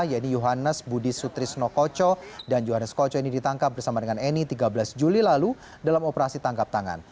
yaitu yohannes budi sutrisno koco dan johannes koco ini ditangkap bersama dengan eni tiga belas juli lalu dalam operasi tangkap tangan